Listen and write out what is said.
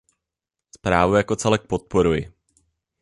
Zprávu jako celek podporuji.